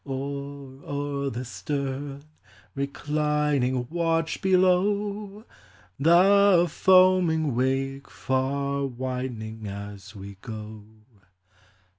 Or o'er the stern reclining, watch below The foaming wake far widening as we go.